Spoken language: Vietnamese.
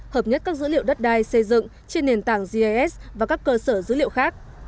hợp nhất các dữ liệu đất đai xây dựng trên nền tảng gis và các cơ sở dữ liệu khác